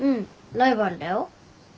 ライバルだよ。